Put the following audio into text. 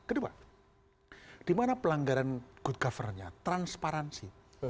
kedua di mana pelanggaran good governernya transparansi